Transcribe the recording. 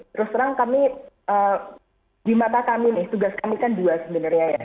terus terang kami di mata kami nih tugas kami kan dua sebenarnya ya